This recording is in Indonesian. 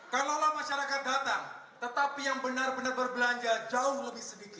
kalaulah masyarakat datang tetapi yang benar benar berbelanja jauh lebih sedikit